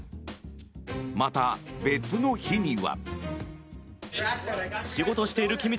また別の日には。